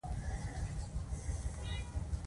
په کلیو او ښارونو کې سرمایه داري تولید پیل شو.